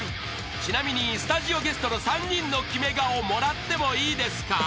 ［ちなみにスタジオゲストの３人の決め顔もらってもいいですか？］